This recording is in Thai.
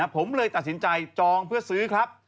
ผมเลยตัดสินใจจองเพื่อซื้อครับ